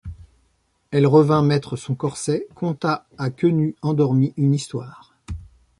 Elle revint mettre son corset, conta à Quenu endormi une histoire.